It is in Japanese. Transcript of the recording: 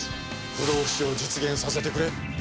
不老不死を実現させてくれ。